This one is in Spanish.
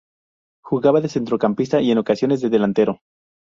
Jugaba de centrocampista, y en ocasiones de delantero.